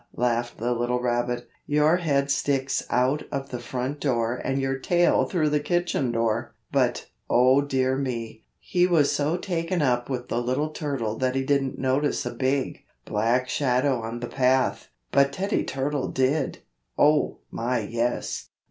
laughed the little rabbit. "Your head sticks out of the front door and your tail through the kitchen door!" But, Oh dear me. He was so taken up with the little turtle that he didn't notice a big, black shadow on the path. But Teddy Turtle did. Oh, my yes!